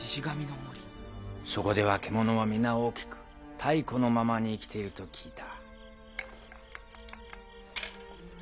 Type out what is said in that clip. そこでは獣は皆大きく太古のままに生きていると聞いた。